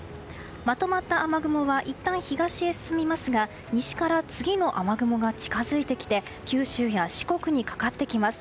まとまった雨雲はいったん東へ進みますが西から次の雨雲が近づいてきて九州や四国にかかってきます。